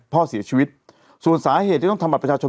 พ่อเสียชีวิตส่วนสาเหตุที่ต้องทำบัตรประชาชน